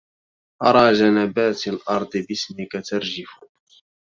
أرى جنبات الأرض باسمك ترجف